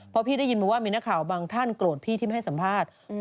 พอพี่ได้ยินมาว่ามีนักข่าวบางท่านโกรธพี่ที่ไม่ให้สัมภาษณ์